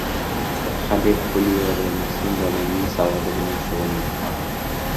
• Hadeb pul yig‘avermasdan bolangning savodi bilan shug‘ullan.